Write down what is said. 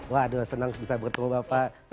waduh senang bisa bertemu bapak